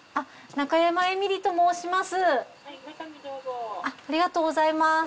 中山と申します。